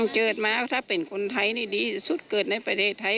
เกิดมาถ้าเป็นคนไทยนี่ดีที่สุดเกิดในประเทศไทย